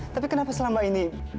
tapi kenapa selama ini